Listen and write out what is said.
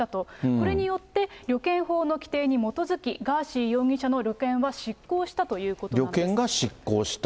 これによって、旅券法の規定に基づき、ガーシー容疑者の旅券は失効したというこ旅券が失効した。